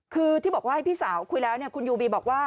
คือที่บอกว่าให้พี่สาวคุยแล้วคุณยูบีบอกว่า